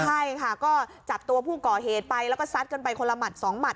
ใช่ค่ะก็จับตัวผู้ก่อเหตุไปแล้วก็ซัดกันไปคนละหมัดสองหมัด